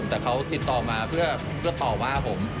แต่เขาติดต่อมาเพื่อต่อว่าผม